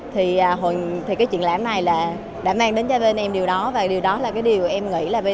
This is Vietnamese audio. thì cái triển lãm này là đã mang đến cho bên em điều đó và điều đó là cái điều em nghĩ là bên